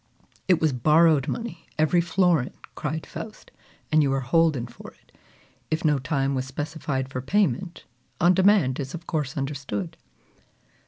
"It was borrowed money, every florin!" cried Faust, "and you are holden for it. If no time was specified for payment, on demand is of course understood."